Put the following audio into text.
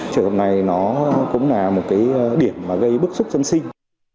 trường hợp này cũng là một điểm gây bức xúc dân sinh